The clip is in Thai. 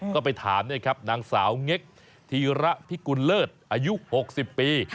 ก็ไปถามนะครับนางสาวเง็กธีระพิกุลเลิศอายุ๖๐ปี